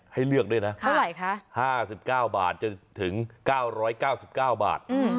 ให้เลือกด้วยนะเท่าไหร่คะ๕๙บาทจนถึง๙๙๙บาท